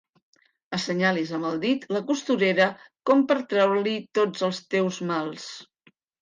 Assenyalis amb el dit la costurera com per retreure-li tots els teus mals.